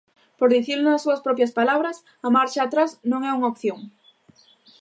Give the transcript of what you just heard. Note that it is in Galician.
Por dicilo nas súas propias palabras: "A marcha atrás non é unha opción".